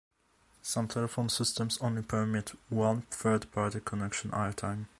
Some telephone systems only permit one third-party connection at a time.